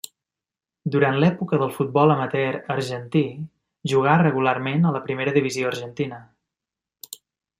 Durant l'època del futbol amateur argentí jugà regularment a la Primera Divisió argentina.